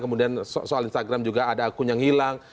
kemudian soal instagram juga ada akun yang hilang